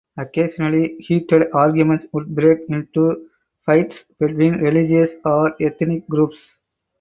Occasionally heated arguments would break into fights between religious or ethnic groups.